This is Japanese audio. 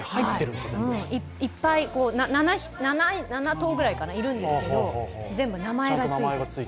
いっぱい、７頭ぐらいいるんですけど、全部、名前がついてる。